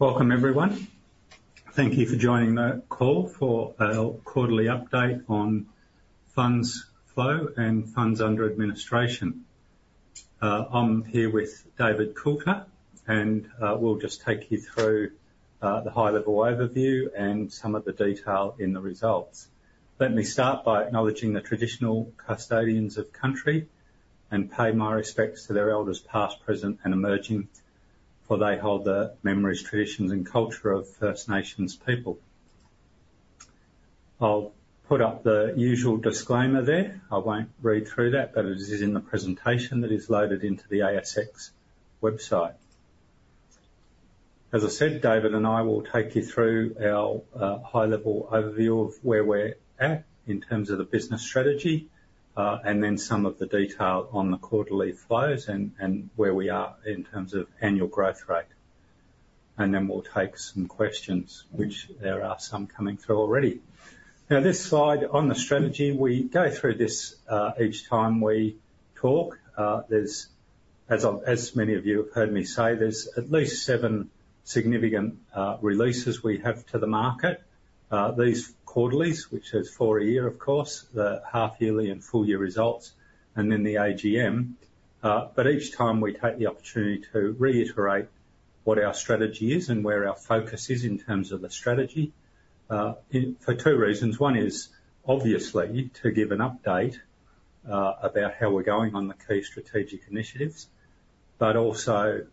Welcome, everyone. Thank you for joining the call for our quarterly update on funds flow and funds under administration. I'm here with David Coulter, and we'll just take you through the high-level overview and some of the detail in the results. Let me start by acknowledging the Traditional Custodians of Country, and pay my respects to their elders, past, present, and emerging, for they hold the memories, traditions, and culture of First Nations people. I'll put up the usual disclaimer there. I won't read through that, but it is in the presentation that is loaded into the ASX website. As I said, David and I will take you through our high-level overview of where we're at in terms of the business strategy, and then some of the detail on the quarterly flows and where we are in terms of annual growth rate. And then we'll take some questions, which there are some coming through already. Now, this slide on the strategy, we go through this each time we talk. There's, as I've, as many of you have heard me say, there's at least seven significant releases we have to the market. These quarterlies, which there's four a year, of course, the half yearly and full year results, and then the AGM. But each time, we take the opportunity to reiterate what our strategy is and where our focus is in terms of the strategy, in, for two reasons: one is obviously to give an update about how we're going on the key strategic initiatives, but also,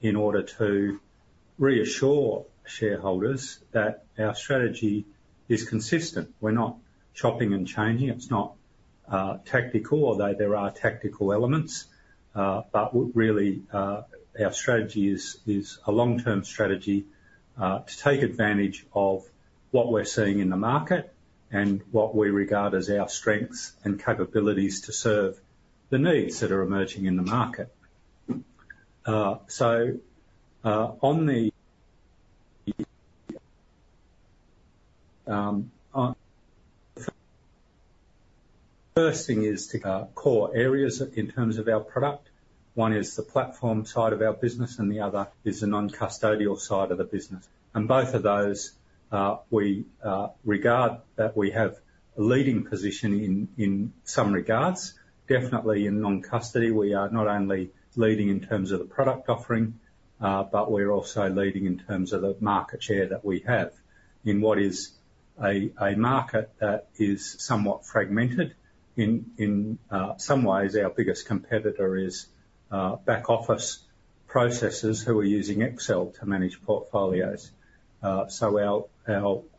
in order to reassure shareholders that our strategy is consistent. We're not chopping and changing. It's not tactical, although there are tactical elements. But really, our strategy is, is a long-term strategy to take advantage of what we're seeing in the market and what we regard as our strengths and capabilities to serve the needs that are emerging in the market. So, on the first thing is two core areas in terms of our product. One is the platform side of our business, and the other is the non-custodial side of the business. And both of those, we regard that we have a leading position in, in some regards. Definitely in non-custody, we are not only leading in terms of the product offering, but we're also leading in terms of the market share that we have in what is a market that is somewhat fragmented. In some ways, our biggest competitor is back office processors who are using Excel to manage portfolios. So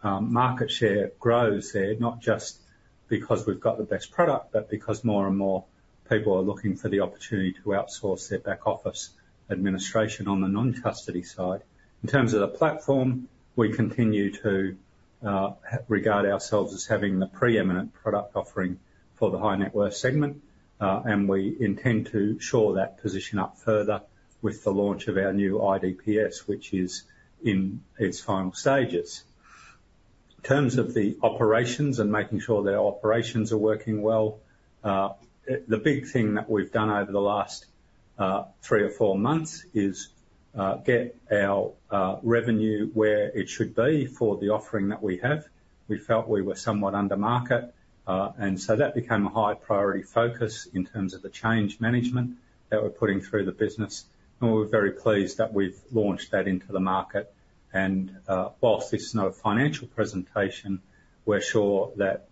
our market share grows there, not just because we've got the best product, but because more and more people are looking for the opportunity to outsource their back office administration on the non-custody side. In terms of the platform, we continue to regard ourselves as having the preeminent product offering for the high net worth segment, and we intend to shore that position up further with the launch of our new IDPS, which is in its final stages. In terms of the operations and making sure that our operations are working well, the big thing that we've done over the last three or four months is get our revenue where it should be for the offering that we have. We felt we were somewhat under market, and so that became a high priority focus in terms of the change management that we're putting through the business, and we're very pleased that we've launched that into the market. And, whilst this is not a financial presentation, we're sure that,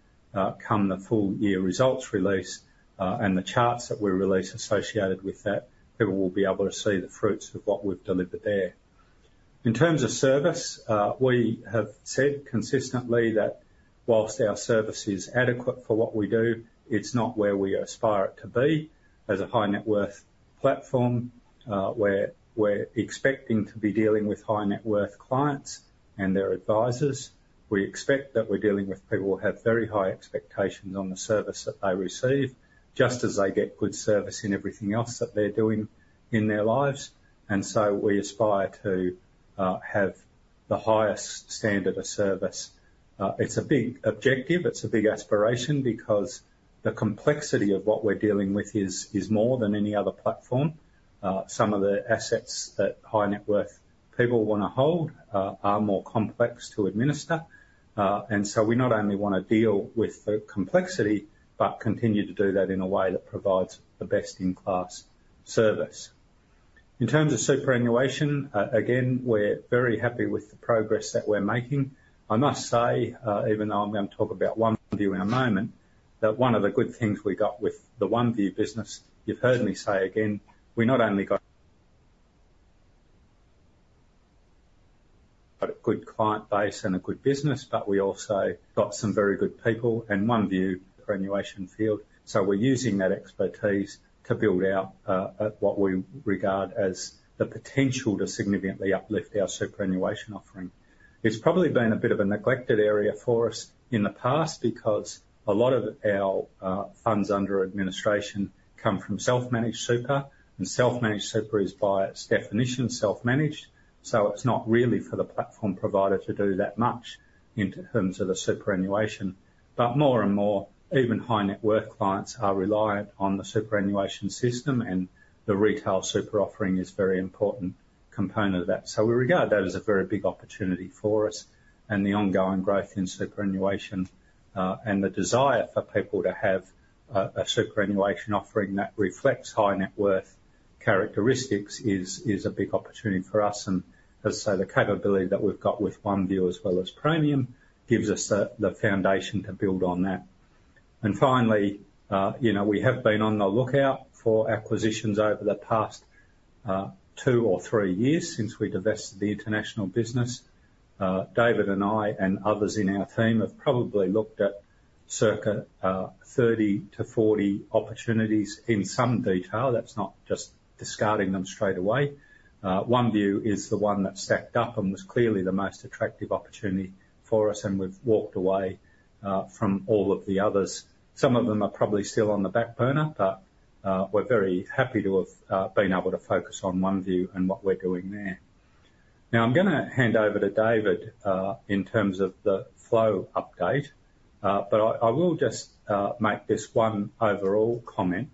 come the full year results release, and the charts that we release associated with that, people will be able to see the fruits of what we've delivered there. In terms of service, we have said consistently that whilst our service is adequate for what we do, it's not where we aspire it to be. As a high net worth platform, where we're expecting to be dealing with high net worth clients and their advisors, we expect that we're dealing with people who have very high expectations on the service that they receive, just as they get good service in everything else that they're doing in their lives. And so we aspire to have the highest standard of service. It's a big objective. It's a big aspiration, because the complexity of what we're dealing with is more than any other platform. Some of the assets that high net worth people wanna hold are more complex to administer. And so we not only wanna deal with the complexity, but continue to do that in a way that provides the best-in-class service. In terms of superannuation, again, we're very happy with the progress that we're making. I must say, even though I'm gonna talk about OneVue in a moment, that one of the good things we got with the OneVue business, you've heard me say again, we not only got a good client base and a good business, but we also got some very good people in OneVue superannuation field, so we're using that expertise to build out what we regard as the potential to significantly uplift our superannuation offering. It's probably been a bit of a neglected area for us in the past, because a lot of our funds under administration come from self-managed super, and self-managed super is, by its definition, self-managed. So it's not really for the platform provider to do that much in terms of the superannuation. But more and more, even high net worth clients are reliant on the superannuation system, and the retail super offering is a very important component of that. So we regard that as a very big opportunity for us, and the ongoing growth in superannuation, and the desire for people to have a superannuation offering that reflects high net worth characteristics is a big opportunity for us. And as I say, the capability that we've got with OneVue as well as Praemium gives us the foundation to build on that. And finally, you know, we have been on the lookout for acquisitions over the past two or three years since we divested the international business. David and I, and others in our team, have probably looked at circa 30-40 opportunities in some detail. That's not just discarding them straight away. OneVue is the one that stacked up and was clearly the most attractive opportunity for us, and we've walked away from all of the others. Some of them are probably still on the back burner, but we're very happy to have been able to focus on OneVue and what we're doing there. Now, I'm gonna hand over to David in terms of the flow update, but I will just make this one overall comment.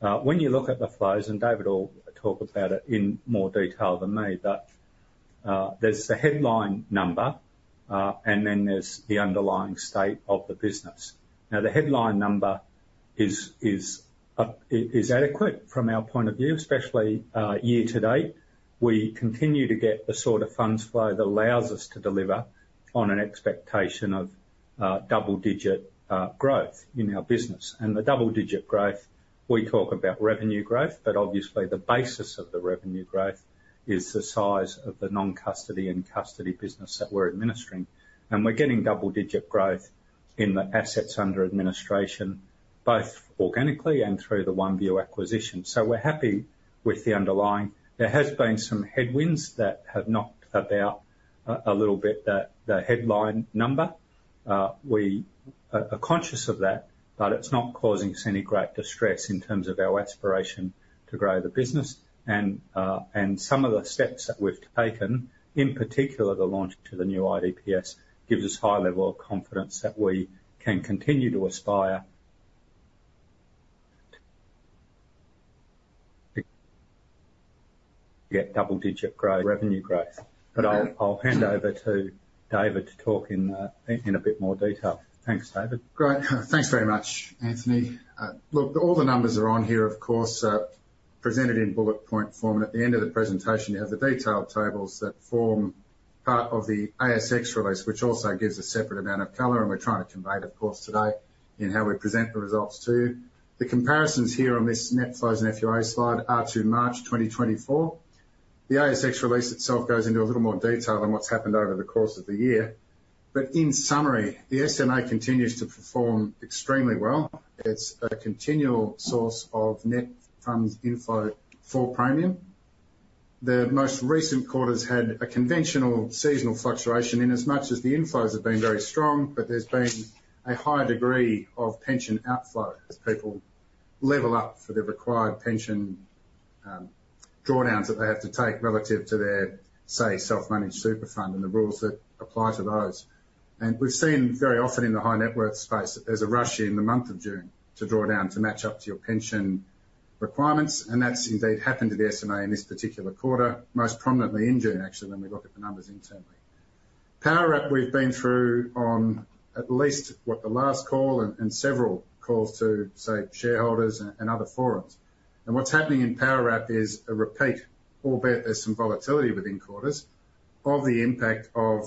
When you look at the flows, and David will talk about it in more detail than me, but there's the headline number, and then there's the underlying state of the business. Now, the headline number is adequate from our point of view, especially year to date. We continue to get the sort of funds flow that allows us to deliver on an expectation of double-digit growth in our business. And the double-digit growth we talk about revenue growth, but obviously, the basis of the revenue growth is the size of the non-custody and custody business that we're administering. And we're getting double-digit growth in the assets under administration, both organically and through the OneVue acquisition. So we're happy with the underlying. There has been some headwinds that have knocked about a little bit the headline number. We are conscious of that, but it's not causing us any great distress in terms of our aspiration to grow the business. And some of the steps that we've taken, in particular, the launch to the new IDPS, gives us high level of confidence that we can continue to aspire... Get double-digit growth, revenue growth. But I'll hand over to David to talk in a bit more detail. Thanks, David. Great. Thanks very much, Anthony. Look, all the numbers are on here, of course, presented in bullet point form, and at the end of the presentation, you have the detailed tables that form part of the ASX release, which also gives a separate amount of color, and we're trying to convey it, of course, today in how we present the results to you. The comparisons here on this net flows and FUA slide are to March 2024. The ASX release itself goes into a little more detail on what's happened over the course of the year. But in summary, the SMA continues to perform extremely well. It's a continual source of net funds inflow for Praemium. The most recent quarters had a conventional seasonal fluctuation in as much as the inflows have been very strong, but there's been a higher degree of pension outflow as people level up for the required pension, drawdowns that they have to take relative to their, say, self-managed super fund and the rules that apply to those. And we've seen very often in the high net worth space, there's a rush in the month of June to draw down to match up to your pension requirements, and that's indeed happened to the SMA in this particular quarter, most prominently in June, actually, when we look at the numbers internally. Powerwrap, we've been through on at least what the last call and several calls to, say, shareholders and other forums. What's happening in Powerwrap is a repeat, albeit there's some volatility within quarters, of the impact of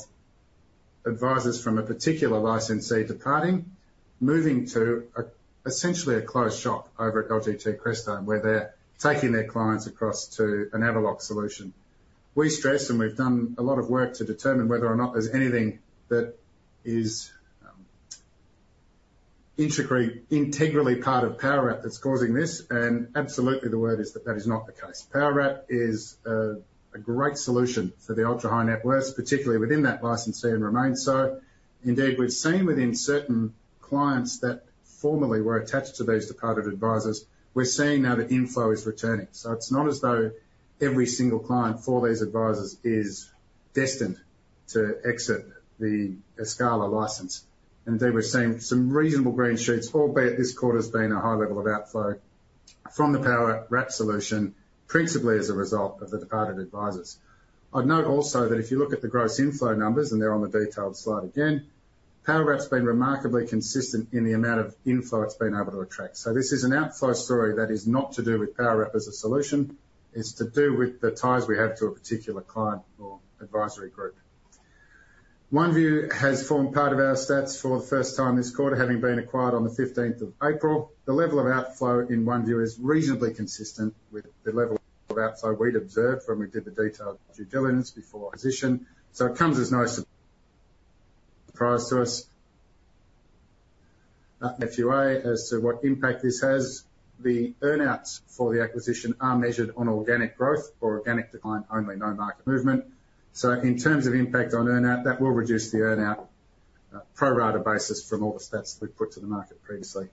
advisors from a particular licensee departing, moving to essentially a closed shop over at LGT Crestone, where they're taking their clients across to an analog solution. We stress, and we've done a lot of work to determine whether or not there's anything that is integrally part of Powerwrap that's causing this, and absolutely the word is that that is not the case. Powerwrap is a great solution for the ultra-high net worth, particularly within that licensee, and remains so. Indeed, we've seen within certain clients that formerly were attached to these departed advisors, we're seeing now the inflow is returning. So it's not as though every single client for these advisors is destined to exit the Escala license, and they were seeing some reasonable green shoots, albeit this quarter's been a high level of outflow from the Powerwrap solution, principally as a result of the departed advisors. I'd note also that if you look at the gross inflow numbers, and they're on the detailed slide again, Powerwrap's been remarkably consistent in the amount of inflow it's been able to attract. So this is an outflow story that is not to do with Powerwrap as a solution, it's to do with the ties we have to a particular client or advisory group. OneVue has formed part of our stats for the first time this quarter, having been acquired on the fifteenth of April. The level of outflow in OneVue is reasonably consistent with the level of outflow we'd observed when we did the detailed due diligence before acquisition. So it comes as no surprise to us. FUA, as to what impact this has, the earn outs for the acquisition are measured on organic growth or organic decline only, no market movement. So in terms of impact on earn out, that will reduce the earn out pro rata basis from all the stats that we've put to the market previously.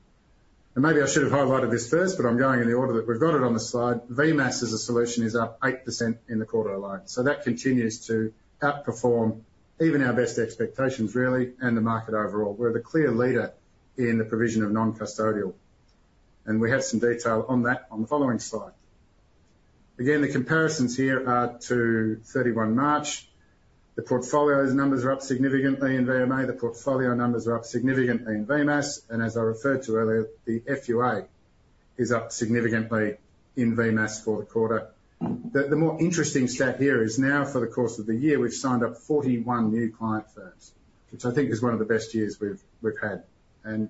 And maybe I should have highlighted this first, but I'm going in the order that we've got it on the slide. VMAAS, as a solution, is up 8% in the quarter alone, so that continues to outperform even our best expectations, really, and the market overall. We're the clear leader in the provision of non-custodial, and we have some detail on that on the following slide. Again, the comparisons here are to 31 March. The portfolio's numbers are up significantly in VMaaS. The portfolio numbers are up significantly in VMaaS, and as I referred to earlier, the FUA is up significantly in VMaaS for the quarter. The more interesting stat here is now, for the course of the year, we've signed up 41 new client firms, which I think is one of the best years we've had. And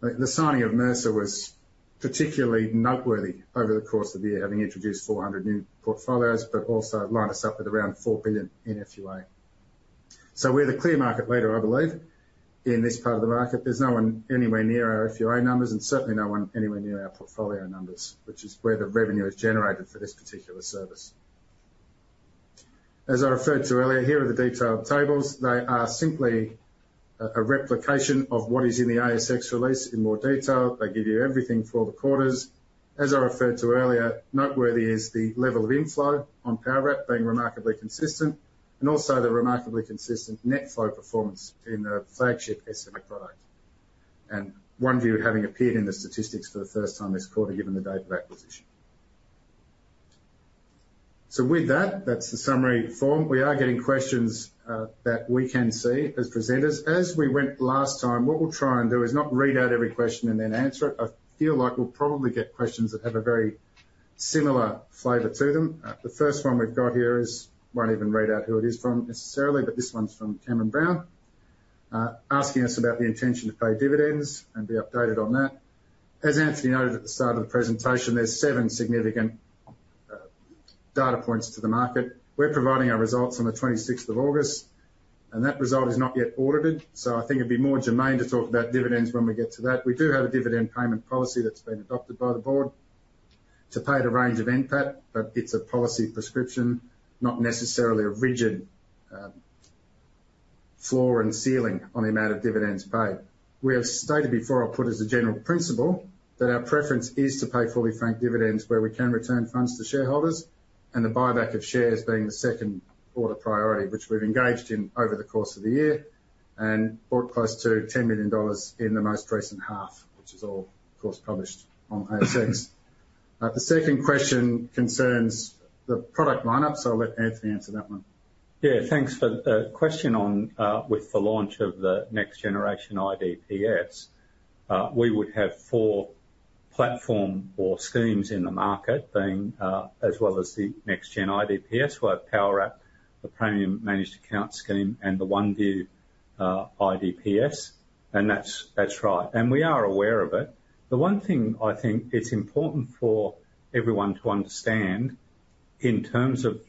the signing of Mercer was particularly noteworthy over the course of the year, having introduced 400 new portfolios, but also lined us up with around 4 billion in FUA. So we're the clear market leader, I believe, in this part of the market. There's no one anywhere near our FUA numbers, and certainly no one anywhere near our portfolio numbers, which is where the revenue is generated for this particular service. As I referred to earlier, here are the detailed tables. They are simply a replication of what is in the ASX release in more detail. They give you everything for the quarters. As I referred to earlier, noteworthy is the level of inflow on Powerwrap being remarkably consistent, and also the remarkably consistent net flow performance in the flagship SMA product. And OneVue, having appeared in the statistics for the first time this quarter, given the date of acquisition. So with that, that's the summary form. We are getting questions that we can see as presenters. As we went last time, what we'll try and do is not read out every question and then answer it. I feel like we'll probably get questions that have a very similar flavor to them. The first one we've got here is... Won't even read out who it is from, necessarily, but this one's from Cameron Brown, asking us about the intention to pay dividends and be updated on that. As Anthony noted at the start of the presentation, there's 7 significant, data points to the market. We're providing our results on the 26th of August, and that result is not yet audited, so I think it'd be more germane to talk about dividends when we get to that. We do have a dividend payment policy that's been adopted by the board to pay at a range of NPAT, but it's a policy prescription, not necessarily a rigid, floor and ceiling on the amount of dividends paid. We have stated before, I'll put as a general principle, that our preference is to pay fully franked dividends where we can return funds to shareholders, and the buyback of shares being the second order priority, which we've engaged in over the course of the year and brought close to 10 million dollars in the most recent half, which is all, of course, published on ASX. The second question concerns the product lineup, so I'll let Anthony answer that one. Yeah, thanks. For the question on with the launch of the next generation IDPS, we would have four platform or schemes in the market, being as well as the next gen IDPS, we'll have Powerwrap, the Praemium Managed Account scheme, and the OneVue IDPS. And that's right, and we are aware of it. The one thing I think it's important for everyone to understand in terms of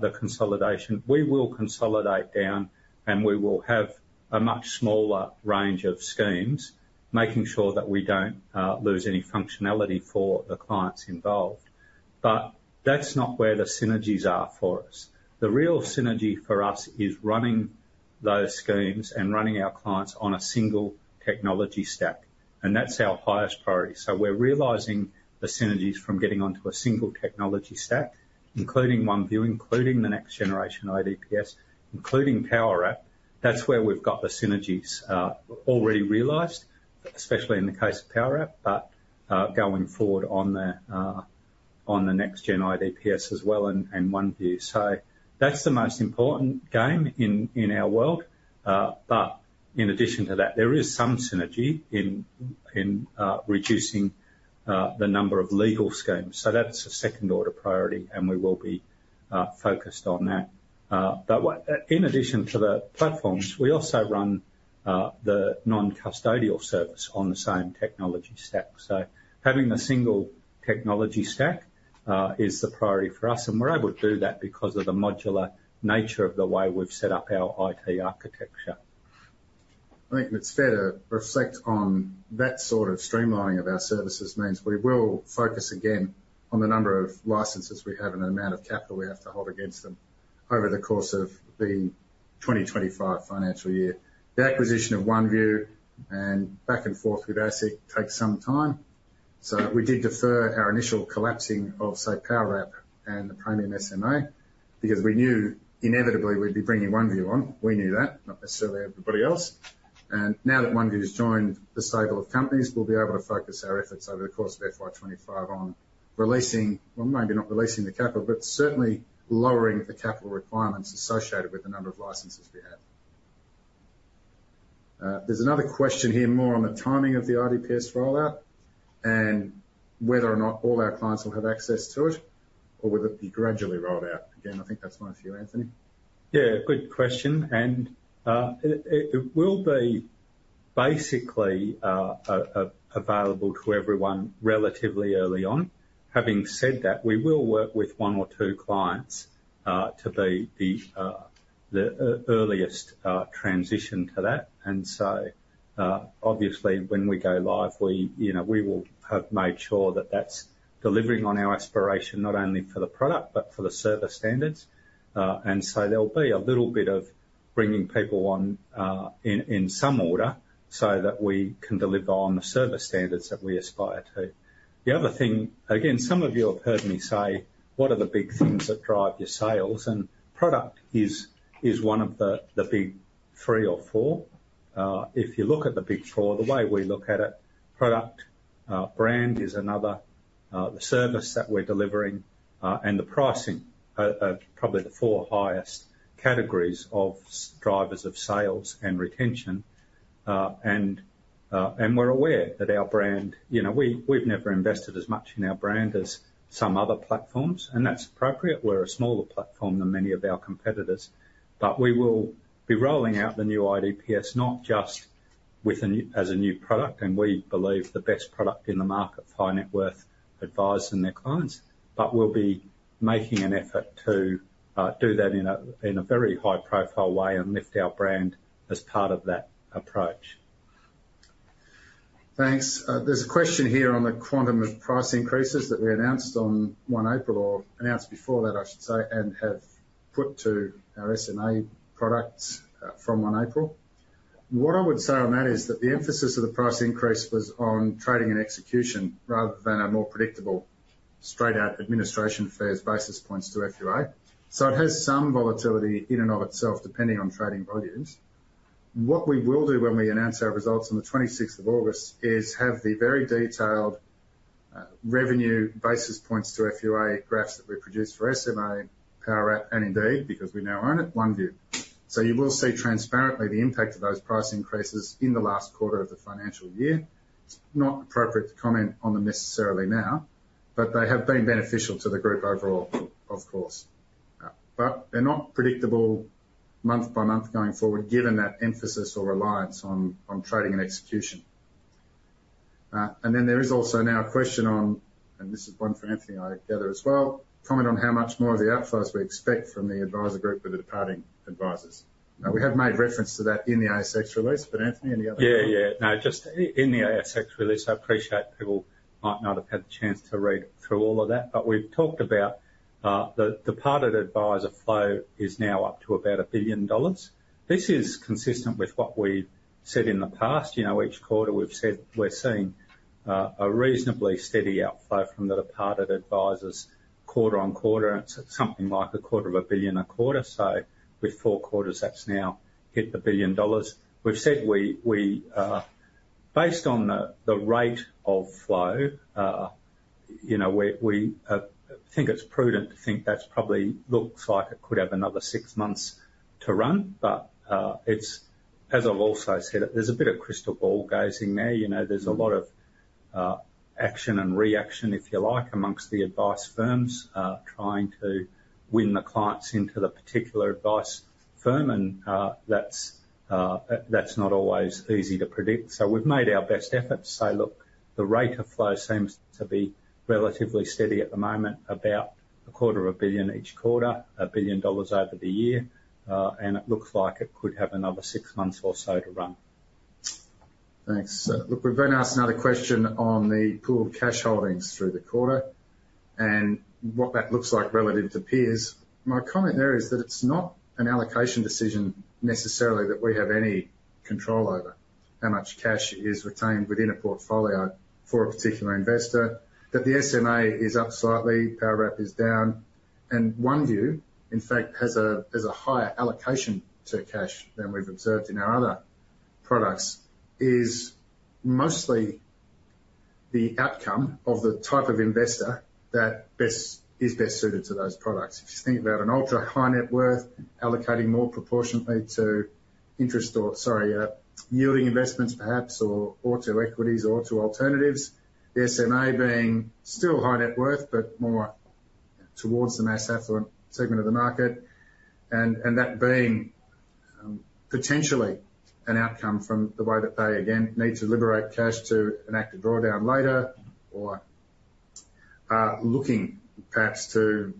the consolidation, we will consolidate down, and we will have a much smaller range of schemes, making sure that we don't lose any functionality for the clients involved. But that's not where the synergies are for us. The real synergy for us is running those schemes and running our clients on a single technology stack, and that's our highest priority. So we're realizing the synergies from getting onto a single technology stack, including OneVue, including the next generation IDPS, including Powerwrap. That's where we've got the synergies already realized, especially in the case of Powerwrap, but going forward on the next gen IDPS as well, and OneVue. So that's the most important game in our world. But in addition to that, there is some synergy in reducing the number of legal schemes. So that's a second order priority, and we will be focused on that. But in addition to the platforms, we also run the non-custodial service on the same technology stack. So having the single technology stack is the priority for us, and we're able to do that because of the modular nature of the way we've set up our IT architecture. I think it's fair to reflect on that sort of streamlining of our services means we will focus again on the number of licenses we have and the amount of capital we have to hold against them over the course of the 2025 financial year. The acquisition of OneVue and back and forth with ASIC takes some time, so we did defer our initial collapsing of, say, Powerwrap and the Praemium SMA, because we knew inevitably we'd be bringing OneVue on. We knew that, not necessarily everybody else. And now that OneVue's joined the stable of companies, we'll be able to focus our efforts over the course of FY 2025 on releasing... Well, maybe not releasing the capital, but certainly lowering the capital requirements associated with the number of licenses we have. There's another question here, more on the timing of the IDPS rollout and whether or not all our clients will have access to it or whether it be gradually rolled out. Again, I think that's one for you, Anthony. Yeah, good question. It will be basically available to everyone relatively early on. Having said that, we will work with one or two clients to be the earliest transition to that, and so obviously, when we go live, you know, we will have made sure that that's delivering on our aspiration, not only for the product, but for the service standards. And so there'll be a little bit of bringing people on in some order, so that we can deliver on the service standards that we aspire to. The other thing, again, some of you have heard me say, "What are the big things that drive your sales?" And product is one of the big three or four. If you look at the big four, the way we look at it, product, brand is another, the service that we're delivering, and the pricing are probably the four highest categories of drivers of sales and retention. We're aware that our brand... You know, we've never invested as much in our brand as some other platforms, and that's appropriate. We're a smaller platform than many of our competitors. But we will be rolling out the new IDPS, not just as a new product, and we believe the best product in the market for net worth advisors and their clients, but we'll be making an effort to do that in a very high-profile way and lift our brand as part of that approach. Thanks. There's a question here on the quantum of price increases that we announced on 1 April, or announced before that, I should say, and have put to our SMA products from 1 April. What I would say on that is that the emphasis of the price increase was on trading and execution, rather than a more predictable, straight-out administration fees basis points to FUA. So it has some volatility in and of itself, depending on trading volumes. What we will do when we announce our results on the 26th of August is have the very detailed revenue basis points to FUA graphs that we produce for SMA, Powerwrap, and indeed, because we now own it, OneVue. So you will see transparently the impact of those price increases in the last quarter of the financial year. It's not appropriate to comment on them necessarily now, but they have been beneficial to the group overall, of course. But they're not predictable month by month going forward, given that emphasis or reliance on trading and execution. And then there is also now a question on, and this is one for Anthony, I gather, as well: comment on how much more of the outflows we expect from the advisor group with the departing advisors. Now, we have made reference to that in the ASX release, but Anthony, any other- Yeah, yeah. No, just in the ASX release, I appreciate people might not have had the chance to read through all of that, but we've talked about, the departed advisor flow is now up to about 1 billion dollars. This is consistent with what we've said in the past. You know, each quarter, we've said we're seeing, a reasonably steady outflow from the departed advisors quarter on quarter. It's something like 250 million a quarter, so with four quarters, that's now hit 1 billion dollars. We've said we, based on the rate of flow, you know, we think it's prudent to think that's probably looks like it could have another six months to run. But, it's, as I've also said, there's a bit of crystal ball gazing there. You know, there's a lot of action and reaction, if you like, amongst the advice firms trying to win the clients into the particular advice firm, and that's not always easy to predict. So we've made our best effort to say, "Look, the rate of flow seems to be relatively steady at the moment, about 250 million each quarter, 1 billion dollars over the year, and it looks like it could have another six months or so to run. Thanks. Look, we've been asked another question on the pool of cash holdings through the quarter and what that looks like relative to peers. My comment there is that it's not an allocation decision, necessarily, that we have any control over how much cash is retained within a portfolio for a particular investor. That the SMA is up slightly, Powerwrap is down, and OneVue, in fact, has a higher allocation to cash than we've observed in our other products, is mostly the outcome of the type of investor that is best suited to those products. If you think about an ultra-high net worth, allocating more proportionately to interest or, sorry, yielding investments, perhaps, or to equities or to alternatives, the SMA being still high net worth, but more towards the mass affluent segment of the market. And that being potentially an outcome from the way that they, again, need to liberate cash to enact a drawdown later or looking perhaps to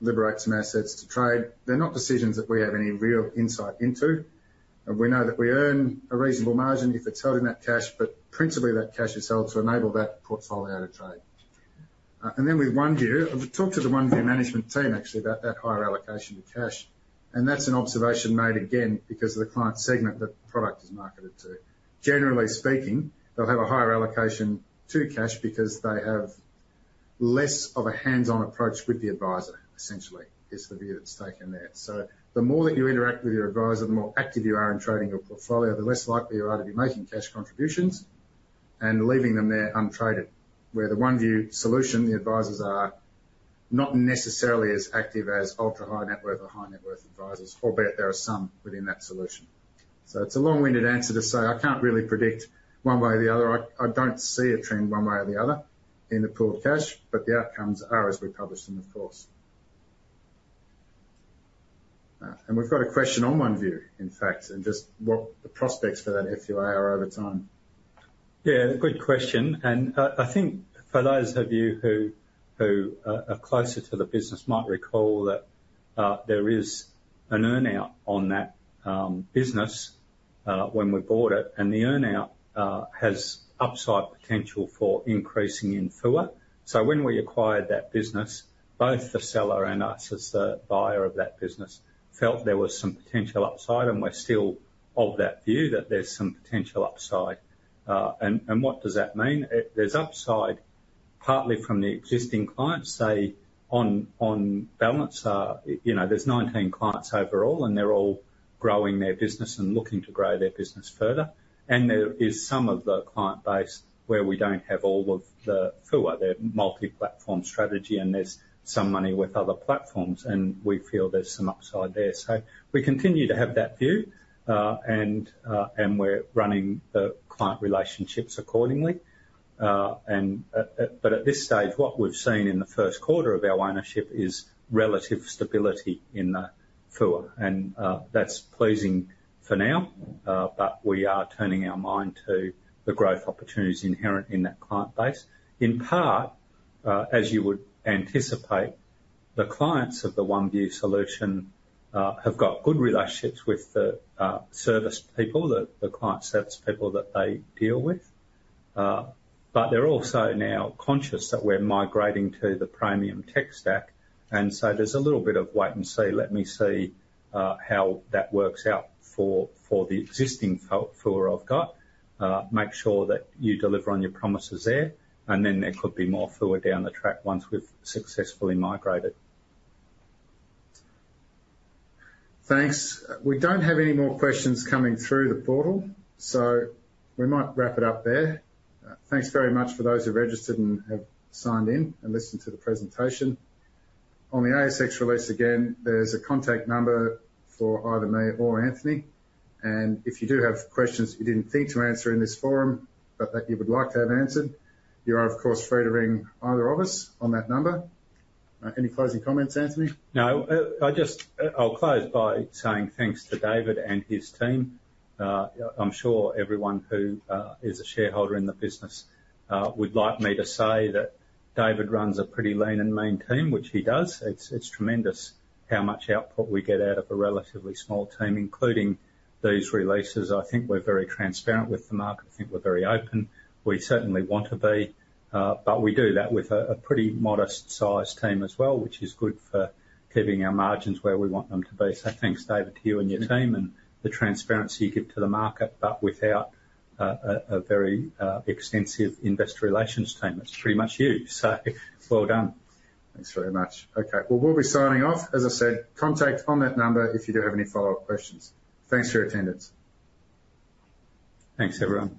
liberate some assets to trade. They're not decisions that we have any real insight into. And we know that we earn a reasonable margin if it's held in that cash, but principally, that cash is held to enable that portfolio to trade. And then with OneVue, I've talked to the OneVue management team, actually, about that higher allocation to cash, and that's an observation made again because of the client segment that the product is marketed to. Generally speaking, they'll have a higher allocation to cash because they have less of a hands-on approach with the advisor, essentially, is the view that's taken there. So the more that you interact with your advisor, the more active you are in trading your portfolio, the less likely you are to be making cash contributions and leaving them there untraded. Where the OneVue solution, the advisors are not necessarily as active as ultra-high net worth or high net worth advisors, albeit there are some within that solution. So it's a long-winded answer to say, I can't really predict one way or the other. I, I don't see a trend one way or the other in the pool of cash, but the outcomes are as we publish them, of course. And we've got a question on OneVue, in fact, and just what the prospects for that FUA are over time. Yeah, good question. And, I think for those of you who are closer to the business might recall that there is an earn-out on that business when we bought it, and the earn-out has upside potential for increasing in FUA. So when we acquired that business, both the seller and us, as the buyer of that business, felt there was some potential upside, and we're still of that view that there's some potential upside. And what does that mean? There's upside, partly from the existing clients, say, on balance, you know, there's 19 clients overall, and they're all growing their business and looking to grow their business further. There is some of the client base where we don't have all of the FUA, their multi-platform strategy, and there's some money with other platforms, and we feel there's some upside there. We continue to have that view, and we're running the client relationships accordingly. But at this stage, what we've seen in the first quarter of our ownership is relative stability in the FUA, and that's pleasing for now. But we are turning our mind to the growth opportunities inherent in that client base. In part, as you would anticipate, the clients of the OneVue solution have got good relationships with the service people, the client service people that they deal with. But they're also now conscious that we're migrating to the Praemium tech stack, and so there's a little bit of wait and see. How that works out for the existing FUA I've got. Make sure that you deliver on your promises there, and then there could be more FUA down the track once we've successfully migrated. Thanks. We don't have any more questions coming through the portal, so we might wrap it up there. Thanks very much for those who registered and have signed in and listened to the presentation. On the ASX release, again, there's a contact number for either me or Anthony, and if you do have questions we didn't think to answer in this forum, but that you would like to have answered, you are, of course, free to ring either of us on that number. Any closing comments, Anthony? No. I just- I'll close by saying thanks to David and his team. I'm sure everyone who is a shareholder in the business would like me to say that David runs a pretty lean and mean team, which he does. It's, it's tremendous how much output we get out of a relatively small team, including these releases. I think we're very transparent with the market. I think we're very open. We certainly want to be, but we do that with a pretty modest-sized team as well, which is good for keeping our margins where we want them to be. So thanks, David, to you and your team, and the transparency you give to the market, but without a very extensive investor relations team. That's pretty much you, so well done. Thanks very much. Okay, well, we'll be signing off. As I said, contact on that number if you do have any follow-up questions. Thanks for your attendance. Thanks, everyone.